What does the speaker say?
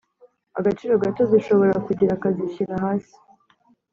agaciro gato zishobora kugira kazishyira hasi